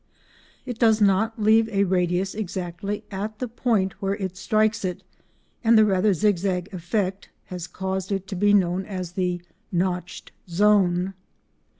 It does not leave a radius exactly at the point where it strikes it, and the rather zig zag effect has caused it to be known as the "notched zone."